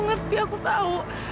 ngerti aku tau